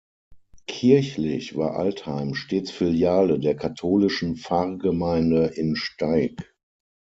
Kirchlich war Altheim stets Filiale der katholische Pfarrgemeinde in Staig.